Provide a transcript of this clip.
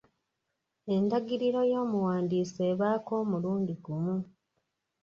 Endagiriro y'omuwandiisi ebaako omulundi gumu.